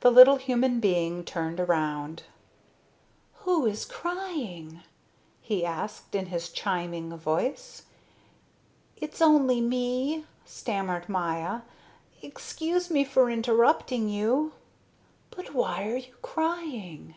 The little human being turned around. "Who is crying?" he asked in his chiming voice. "It's only me," stammered Maya. "Excuse me for interrupting you." "But why are you crying?"